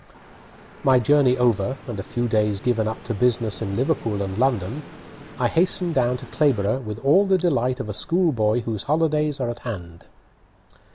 My voyage over, and a few days given up to business in Liverpool and London, I hastened down to Clayborough with all the delight of a school boy whose holidays are at hand.